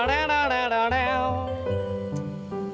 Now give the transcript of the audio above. bicara soal musik